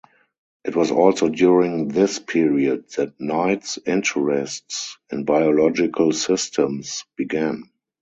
It was also during this period that Knight's interests in biological systems began.